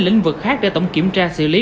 lĩnh vực khác để tổng kiểm tra xử lý